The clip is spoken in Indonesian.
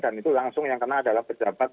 dan itu langsung yang kena adalah pejabat